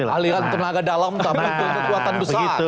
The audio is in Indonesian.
aliran tenaga dalam tapi kekuatan besar